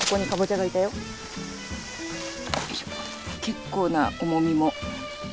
結構な重みも。